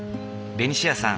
ベニシアさん